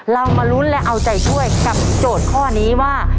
มาลุ้นและเอาใจช่วยกับโจทย์ข้อนี้ว่า